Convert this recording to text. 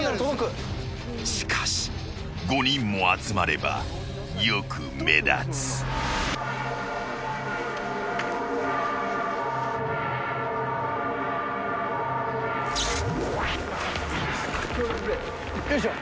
［しかし５人も集まればよく目立つ］よいしょ。